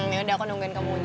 ya udah aku nungguin kamu aja